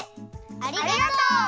ありがとう！